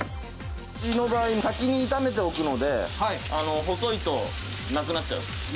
うちの場合、先に炒めておくので、細いとなくなっちゃう。